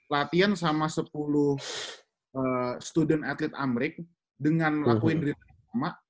latihan sama sepuluh student athlete amrik dengan lakuin drill sama